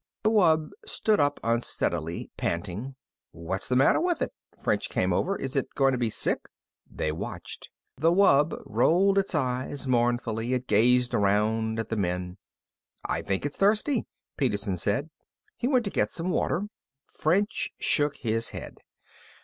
The wub stood up unsteadily, panting. "What's the matter with it?" French came over. "Is it going to be sick?" They watched. The wub rolled its eyes mournfully. It gazed around at the men. "I think it's thirsty," Peterson said. He went to get some water. French shook his head.